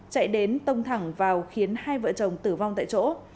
chạy đến tông thẳng vào khiến hai vợ chồng tử vong tại chỗ